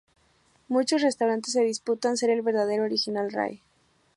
Muchos restaurantes se disputan ser el verdadero y original Ray.